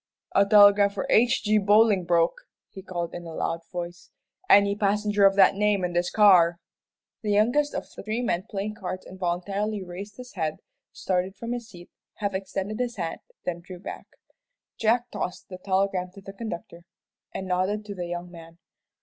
"A telegram for H.J. Bolingbroke," he called, in a loud voice; "any passenger of that name in this car?" The youngest of the three men playing cards involuntarily raised his head, started from his seat, half extended his hand, then drew back. Jack tossed the telegram to the conductor, and nodded to the young man.